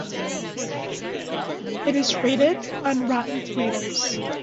It is rated on Rotten Tomatoes.